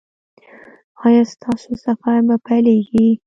ایا ستاسو سفر به پیلیږي؟